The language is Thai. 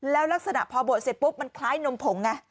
แล้วลักษณะพอบวชเสร็จปุ๊บมันคล้ายนมผงไง